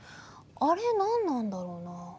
あれ何なんだろうな？